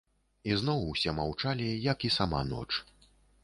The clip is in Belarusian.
Ізноў усе маўчалі, як і сама ноч.